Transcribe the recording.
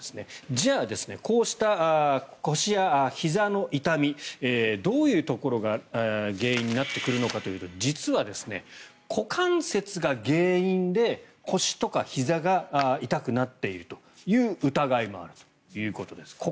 じゃあ、こうした腰やひざの痛みどういうところが原因になってくるのかというと実は股関節が原因で腰とかひざが痛くなっているという疑いもあるということです。